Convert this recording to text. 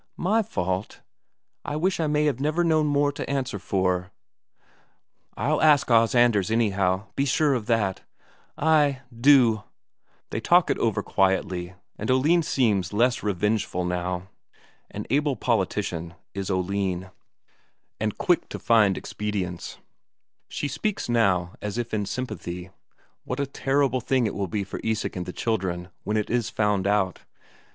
"My fault? I wish I may never have more to answer for!" "I'll ask Os Anders, anyhow, be sure of that." "Ay, do." They talk it all over quietly, and Oline seems less revengeful now. An able politician, is Oline, and quick to find expedients; she speaks now as if in sympathy what a terrible thing it will be for Isak and the children when it is found out!